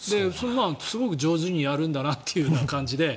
すごく上手にやるんだなという感じで。